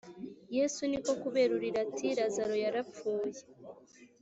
yesu ni ko kuberurira ati lazaro yarapfuye